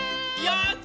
やった！